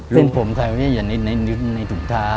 รูมผงใครปะเนี่ยอย่างนิดอยู่ในถุงเท้า